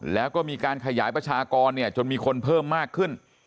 แล้วก็มีการขยายประชากรจนมีคนเพิ่มมากขึ้น